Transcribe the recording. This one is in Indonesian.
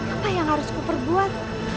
apa yang harus kuperbuat